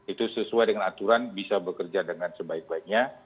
itu sesuai dengan aturan bisa bekerja dengan sebaik baiknya